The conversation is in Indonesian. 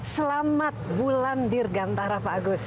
selamat bulan dirgantara pak agus